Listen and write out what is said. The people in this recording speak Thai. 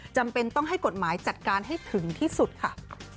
จำเป็นต้องให้กฎหมายจัดการให้ถึงที่สุดค่ะ